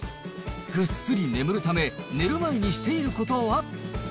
ぐっすり眠るため、寝る前にしていることは。